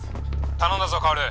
頼んだぞ薫。